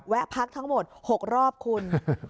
พักทั้งหมด๖รอบคุณ